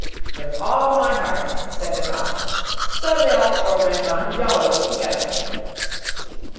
'With all my heart,' said the cock: so they all four went on jollily together.